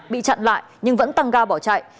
bị chặn lại nhưng vẫn tăng ga bỏ chạy